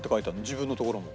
自分のところも。